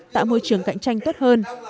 tạo môi trường cạnh tranh tốt hơn